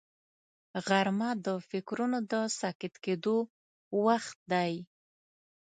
غرمه د فکرونو د ساکت کېدو وخت دی